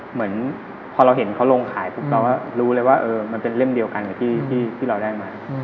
เหมือนพอเราเห็นเขาลงขายปุ๊บเราก็รู้เลยว่ามันเป็นเล่มเดียวกันกับที่เราได้มา